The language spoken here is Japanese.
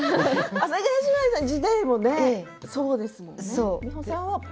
阿佐ヶ谷姉妹さん自体もそうですものね。